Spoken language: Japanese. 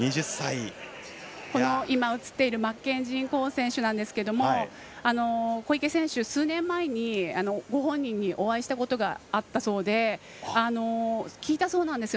マッケンジー・コーン選手小池選手、数年前にご本人にお会いしたことがあったそうで聞いたそうなんです。